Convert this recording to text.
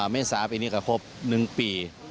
เมษาปีนี้ก็ครบ๑ปี